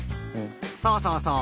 そうそうそう！